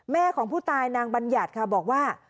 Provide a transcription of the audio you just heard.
แม่ของผู้ตายนางบัญญัติค่ะบอกว่า